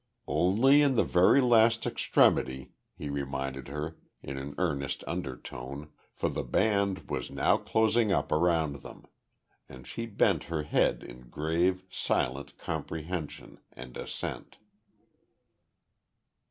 "Only in the very last extremity," he reminded her, in an earnest undertone, for the band was now closing up around them. And she bent her head in grave, silent comprehension, and assent.